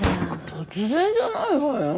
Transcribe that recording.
突然じゃないわよ。